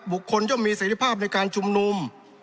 ย่อมมีเสร็จภาพในการชุมนุม